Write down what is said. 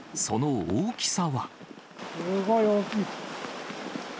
すごい大きい。